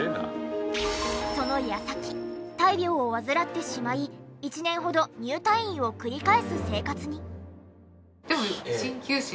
その矢先大病を患ってしまい１年ほど入退院を繰り返す生活に。